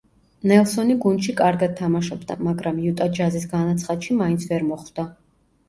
ნელსონი გუნდში კარგად თამაშობდა, მაგრამ იუტა ჯაზის განაცხადში მაინც ვერ მოხვდა.